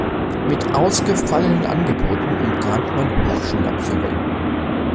Mit ausgefallenen Angeboten umgarnt man Hochschulabsolventen.